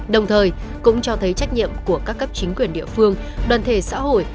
đồng thời cũng cho thấy trách nhiệm của các cấp chính quyền địa phương đoàn thể xã hội